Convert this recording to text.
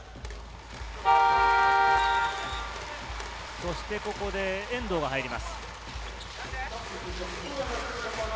そしてここで遠藤が入ります。